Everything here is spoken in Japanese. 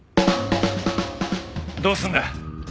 どうすんだ？